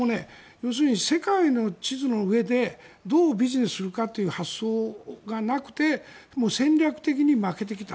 要するに世界の地図の上でどうビジネスするかという発想がなくて戦略的に負けてきた。